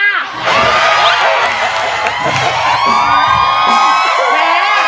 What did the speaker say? แหะ